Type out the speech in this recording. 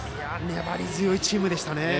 粘り強いチームでしたね。